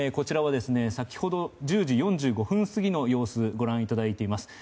先ほど、１０時４５分過ぎの様子ご覧いただいています。